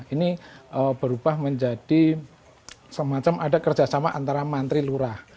ini berubah menjadi semacam ada kerjasama antara mantri lurah